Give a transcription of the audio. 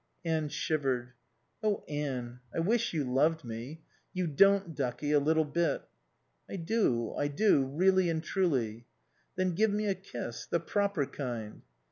Anne shivered. "Oh Anne, I wish you loved me. You don't, ducky, a little bit." "I do. I do. Really and truly." "Then give me a kiss. The proper kind."